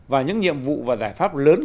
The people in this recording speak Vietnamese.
và những nhiệm vụ và giải pháp lớn